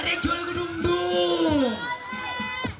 ada yang jual gedung gedung